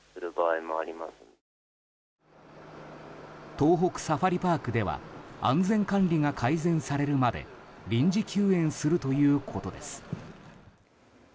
東北サファリパークでは安全管理が改善されるまで臨時休園するということです。